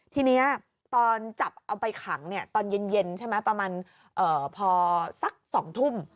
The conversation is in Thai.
ทีนี้ตอนจับเอาไปขังตอนเย็นใช่ไหมประมาณพอสัก๒ทุ่ม